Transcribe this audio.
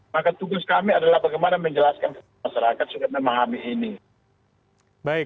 maka tugas kami adalah bagaimana menjelaskan masyarakat sudah memahami ini